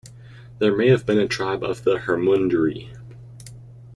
They may have been a tribe of the Hermunduri.